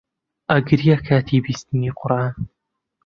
ئەگریا کاتی بیستنی قورئان